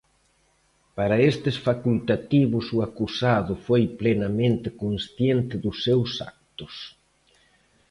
Para estes facultativos o acusado foi plenamente consciente dos seus actos.